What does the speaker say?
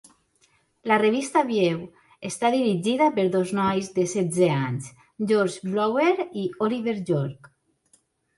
La revista View està dirigida per dos nois de setze anys, George Blower i Oliver Yorke.